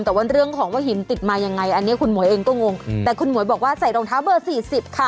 แต่ว่าเรื่องของว่าหินติดมายังไงอันนี้คุณหมวยเองก็งงแต่คุณหมวยบอกว่าใส่รองเท้าเบอร์สี่สิบค่ะ